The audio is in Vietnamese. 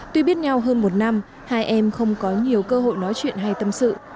tuy biết nhau hơn một năm hai em không có nhiều cơ hội nói chuyện hay tâm sự